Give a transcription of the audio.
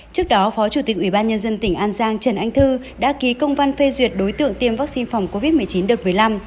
trước đó phó chủ tịch ubnd tỉnh an giang trần anh thư đã ký công văn phê duyệt đối tượng tiêm vaccine phòng covid một mươi chín đợt một mươi năm